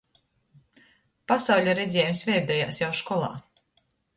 Pasauļa redziejums veidojās jau školā.